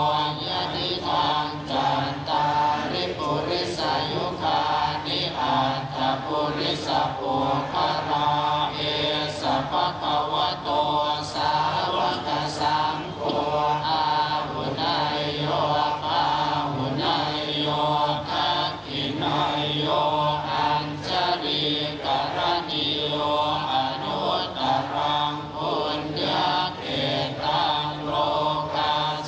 อันยันยันจันทริปุริสายุฆานิอันตะปุริสปุภาระเอสปะกวะโตสาวะกสังโภอ้าวุนัยโยอ้าวุนัยโยคักกินัยโยอันจาริกรรณีโยอนุตรังพุนเดียเกตังโลกสังโภ